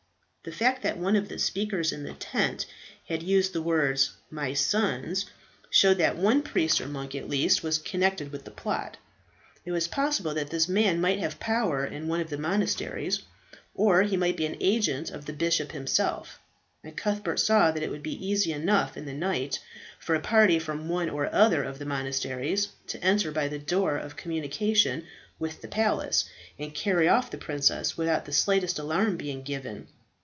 The fact that one of the speakers in the tent had used the words "my sons," showed that one priest or monk, at least, was connected with the plot. It was possible that this man might have power in one of the monasteries, or he might be an agent of the bishop himself; and Cuthbert saw that it would be easy enough in the night for a party from one or other of the monasteries to enter by the door of communication with the palace, and carry off the princess without the slightest alarm being given.